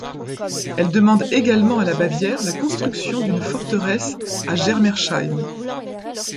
Elle demande également à la Bavière la construction d'une forteresse à Germersheim.